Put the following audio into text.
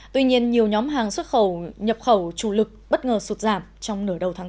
tuy nhiên nhiều nhóm hàng xuất khẩu nhập khẩu chủ lực bất ngờ sụt giảm trong nửa đầu tháng tám